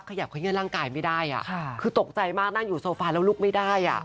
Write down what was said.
ขยับขยื่นร่างกายไม่ได้คือตกใจมากนั่งอยู่โซฟาแล้วลุกไม่ได้อ่ะ